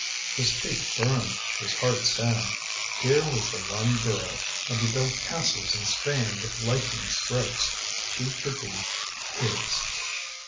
His cheeks burned; his heart sang. Here was the one girl, and he built castles in Spain with lightening strokes. She should be his.